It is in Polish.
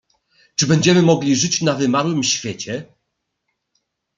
"Czy będziemy mogli żyć na wymarłym świecie?"